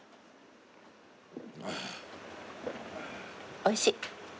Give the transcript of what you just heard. おいしい。